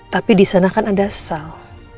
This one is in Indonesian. tapi di sana kan ada sel